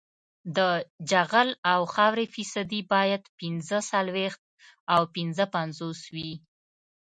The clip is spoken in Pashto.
د جغل او خاورې فیصدي باید پینځه څلویښت او پنځه پنځوس وي